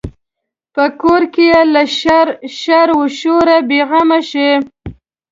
په کور کې یې له شر و شوره بې غمه شي.